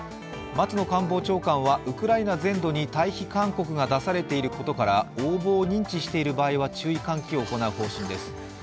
松野官房長官はウクライナ全土に退避勧告が出されていることから応募を認知した場合は注意喚起を行うとしました。